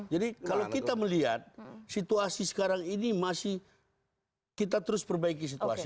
jadi kalau kita melihat situasi sekarang ini masih kita terus perbaiki situasi